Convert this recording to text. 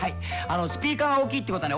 スピーカーが大きいって事はね